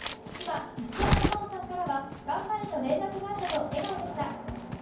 妻、一山麻緒さんからは頑張れと連絡があったと笑顔でした。